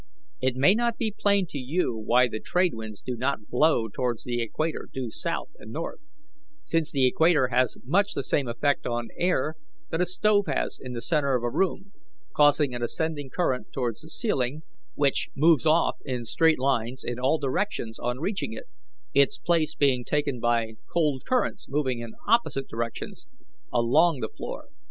It may not be plain to you why the trade winds do not blow towards the equator due south and north, since the equator has much the same effect on air that a stove has in the centre of a room, causing an ascending current towards the ceiling, which moves off in straight lines in all directions on reaching it, its place being taken by cold currents moving in opposite directions along the floor.